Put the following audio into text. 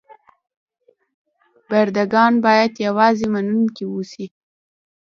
برده ګان باید یوازې منونکي اوسي.